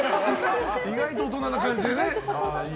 意外と大人な感じでね。